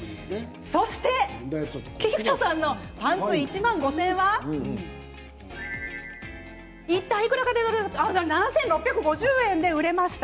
そして菊田さんのパンツ１万５０００円は７６５０円で売れました。